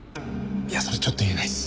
いやそれちょっと言えないです。